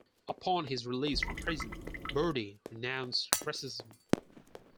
Upon his release from prison, Burdi renounced racism.